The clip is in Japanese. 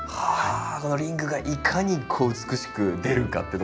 このリングがいかに美しく出るかってとこなんですかね。